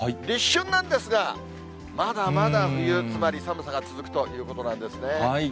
立春なんですが、まだまだ冬、つまり寒さが続くということなんですね。